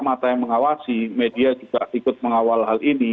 mata yang mengawasi media juga ikut mengawal hal ini